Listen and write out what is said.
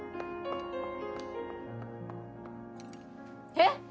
えっ！